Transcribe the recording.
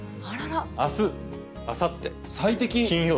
あす、あさって、最適。